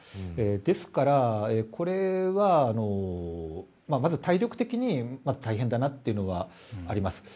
ですから、まず体力的に大変だなというのがあります。